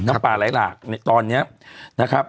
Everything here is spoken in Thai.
น้ำป่าไหลหลากในตอนนี้นะครับ